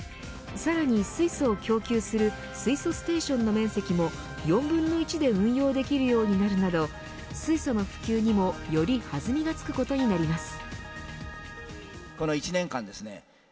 さらに水素を供給する水素ステーションの面積も４分の１で運用できるようになるなど水素の普及にもより弾みがつくことになります。